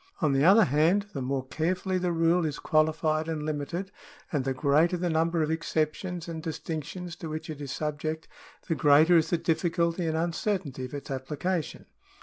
On the other hand, the more carefully the rule is qualified and limited, and the greater the number of excep tions and distinctions to which it is subject, the greater is the difficulty and uncertainty of its application.